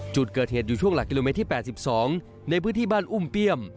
จุดเกิดเหตุอยู่ช่วงหลักกิโลเมตรที่๘๒ในพื้นที่บ้านอุ้มเปี้ยม